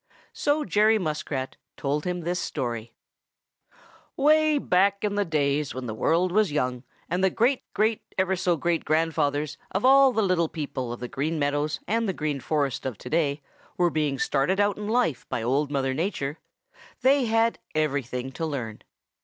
So Jerry Muskrat told him this story: "Way back in the days when the world was young, and the great great ever so great grandfathers of all the little people of the Green Meadows and the Green Forest of today were being started out in life by Old Mother Nature, they had everything to learn.